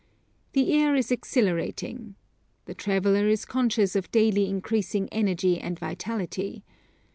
The air is exhilarating. The traveller is conscious of daily increasing energy and vitality.